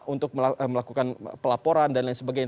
untuk melakukan pelaporan dan lain sebagainya